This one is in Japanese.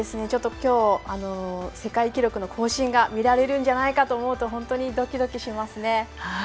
今日、世界記録の更新が見られるんじゃないかと思うと本当にドキドキしますね。